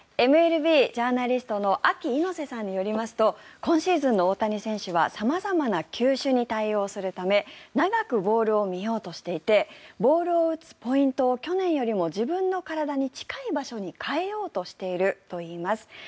ＭＬＢジャーナリストのＡＫＩ猪瀬さんによりますと今シーズンの大谷選手は様々な球種に対応するため長くボールを見ようとしていてボールを打つポイントを去年よりも自分の体に近い場所に変えようとしているといいます。